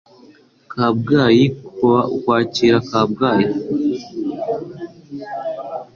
Kabgayi ku wa ukwakira Kabgayi